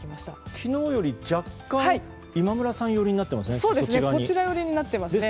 昨日より若干今村さん寄りになっていますね。